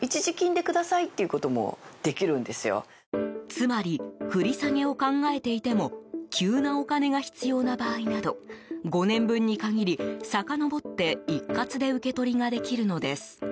つまり繰り下げを考えていても急なお金が必要な場合など５年分に限り、さかのぼって一括で受け取りができるのです。